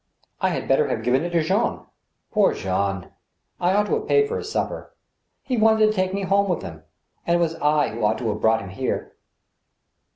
... I had better have given it to Jean. ... Poor Jean I .... I ought to have paid for his supper. ... He wanted to take me home with him, .., and it was I who ought to have brought him here."